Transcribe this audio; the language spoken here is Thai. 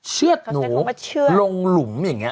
เชื่อดหนูลงหลุมอย่างเงี้ย